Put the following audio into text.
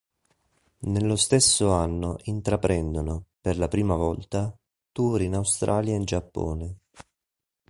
Nello stesso anno intraprendono, per la prima volta, tour in Australia e in Giappone.